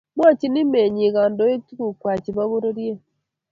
Mwachini menyik kandoik tukukwai chepo pororiet